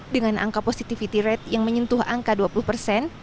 dengan angka positivity rate yang menyentuh angka dua puluh persen